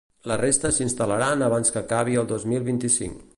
La resta s’instal·laran abans que acabi el dos mil vint-i-cinc.